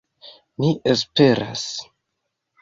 Mi esperas